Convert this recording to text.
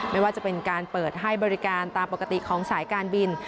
ไม่ว่าจะเป็นการเปิดให้บริการตามปกติของสายการบิน